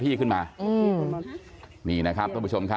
เพื่อนบ้านเจ้าหน้าที่อำรวจกู้ภัย